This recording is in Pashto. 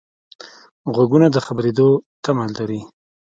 غوږونه د خبرېدو تمه لري